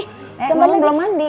eh mama belum mandi